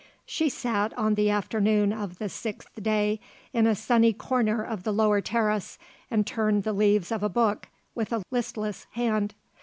She sat, on the afternoon of the sixth day, in a sunny corner of the lower terrace and turned the leaves of a book with a listless hand.